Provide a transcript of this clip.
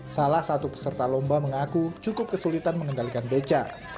salah satu peserta lomba mengaku cukup kesulitan mengendalikan beca